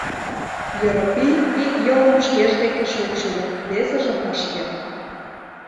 Йоропий ик йолым шкеж деке шупшыльо, весыжым ыш керт.